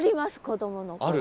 子どもの頃。